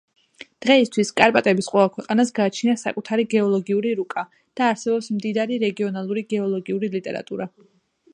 დღეისათვის კარპატების ყველა ქვეყანას გააჩნია საკუთარი გეოლოგიური რუკა და არსებობს მდიდარი რეგიონული გეოლოგიური ლიტერატურა.